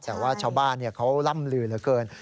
แต่ว่าชาวบ้านเขาล่ำลือเหลือเกิน